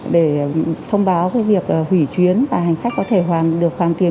để thông báo việc hủy chuyến và hành khách có thể được hoàn tiền một trăm linh